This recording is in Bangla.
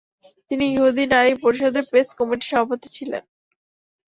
তিনি ইহুদি নারী পরিষদের প্রেস কমিটির সভাপতি ছিলেন।